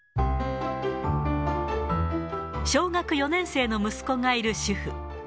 小学４年生の息子がいる主婦。